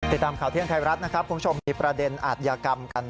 ติดตามข่าวเที่ยงไทยรัฐนะครับคุณผู้ชมมีประเด็นอาทยากรรมกัน